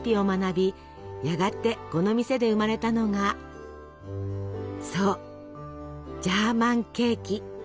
やがてこの店で生まれたのがそうジャーマンケーキ。